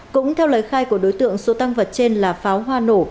cũng theo lời khai của đối tượng số tăng vật trên là pháo hoa nổ